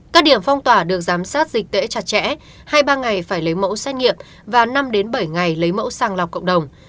các điểm phong tỏa được giám sát dịch tễ chặt chẽ hai ba ngày phải lấy mẫu xét nghiệm và năm bảy ngày lấy mẫu sàng lọc cộng đồng